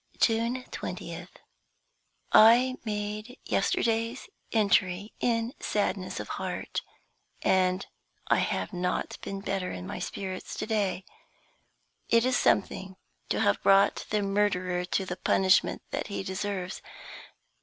June 20th. I made yesterday's entry in sadness of heart, and I have not been better in my spirits to day. It is something to have brought the murderer to the punishment that he deserves.